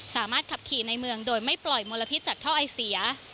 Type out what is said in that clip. สามารถขับขี่ในเมืองโดยไม่ปล่อยมลพิษจากท่อไอเสีย